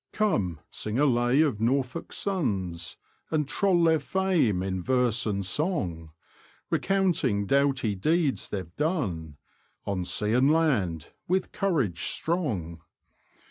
Come, sing a lay of Norfolk's sons, And troll their fame in verse and song, Recounting doughty deeds they've done, On sea and land, with courage strong.